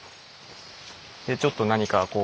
でちょっと何かこう。